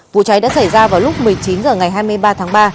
vụ cháy đã xảy ra vào lúc một mươi chín h ngày hai mươi ba tháng ba